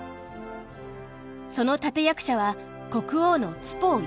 その立て役者は国王のツポウ１世。